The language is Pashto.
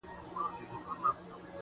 • دا چا ويل چي له هيواده سره شپې نه كوم.